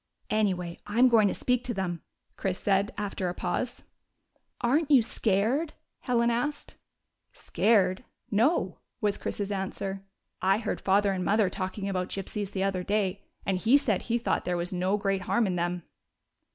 " Anyway, I 'm going to speak to them," Chris said, after a pause. 3 CyPsy. GYPSY, THE TALKING DOG " Are n't you scared ?" Helen asked. " Scared ? No/' was Chris's answer. " I heard father and mother talking about Gypsies the other day, and he said he thought there was no great harm in them."